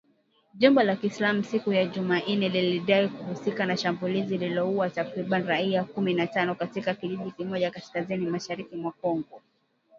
Jimbo la Kiislamu siku ya Jumanne lilidai kuhusika na shambulizi lililoua takribani raia kumi na tano katika kijiji kimoja kaskazini mashariki mwa Congo.